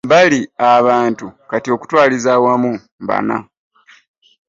Bali abantu kati okutwaliza awamu bana.